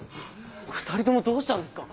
２人ともどうしたんですか？